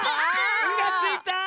「ん」がついた！